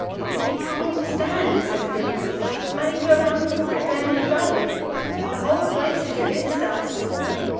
"'We can't stand,' says Billy Fish. 'Make a run for it down the valley! The whole place is against us.